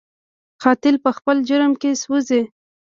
قاتل په خپل جرم کې سوځي